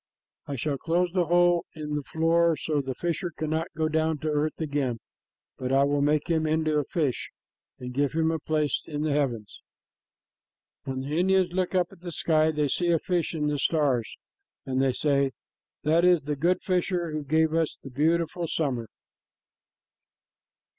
I shall close the hole in the floor so the fisher cannot go down to earth again, but I will make him into a fish and give him a place in the heavens." When the Indians look up at the sky, they see a fish in the stars, and they say, "That is the good fisher who gave us the beautiful summer."